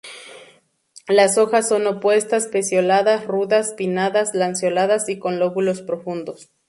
Las hojas son opuestas, pecioladas, rudas, pinnadas, lanceoladas y con lóbulos profundos.